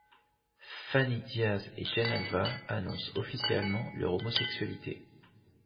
Phanie Diaz & Jenn Alva annoncent officiellement leur homosexualité.